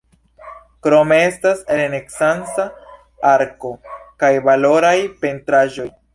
Krome estas renesanca arko kaj valoraj pentraĵoj.